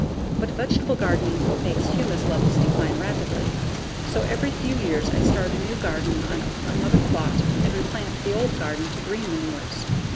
But vegetable gardening makes humus levels decline rapidly. So every few years I start a new garden on another plot and replant the old garden to green manures.